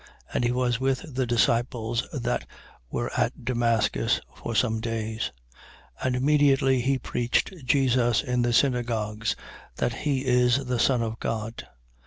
And he was with the disciples that were at Damascus, for some days. 9:20. And immediately he preached Jesus in the synagogues, that he is the son of God.